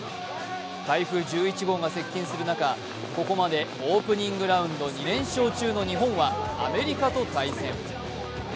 台風１１号が接近する中、ここまでオープニングラウンド２連勝中の日本はアメリカと対戦。